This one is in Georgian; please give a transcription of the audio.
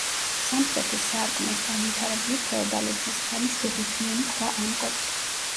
სამხრეთის სარკმელს განვითარებული ფეოდალიზმის ხანის ჩუქურთმიანი ქვა ამკობს.